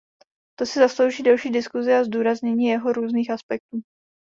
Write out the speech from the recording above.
To si zaslouží delší diskusi a zdůraznění jeho různých aspektů.